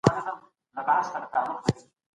د دغي پوهني ګټه ډېره ده.